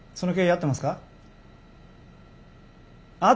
合ってますか？